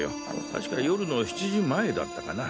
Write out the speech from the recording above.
確か夜の７時前だったかな。